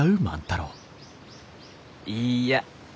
いいや。